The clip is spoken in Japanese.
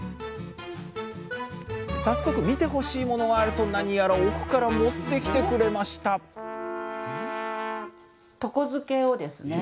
早速見てほしいものがあると何やら奥から持って来てくれました「床漬け」をですね。